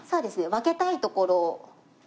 分けたいところを。